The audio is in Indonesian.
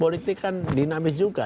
politik kan dinamis juga